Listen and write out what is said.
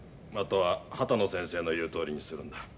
あとは秦野先生の言うとおりにするんだ。